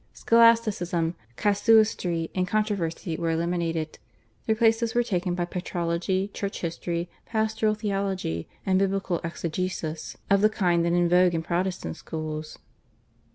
Scholasticism, casuistry, and controversy were eliminated. Their places were taken by Patrology, Church History, Pastoral Theology, and Biblical Exegesis of the kind then in vogue in Protestant schools.